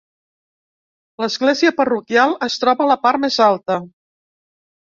L'església parroquial es troba a la part més alta.